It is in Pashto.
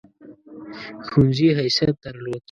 ښوونځي حیثیت درلود.